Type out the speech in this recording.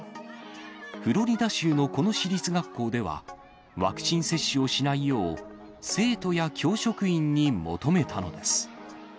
フロリダ州のこの私立学校では、ワクチン接種をしないよう、生徒や教職員に求めたのです。